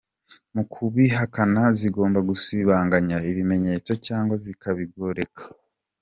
Mu kubihakana zigomba gusibanganya ibimenyetso cyangwa zikabigoreka.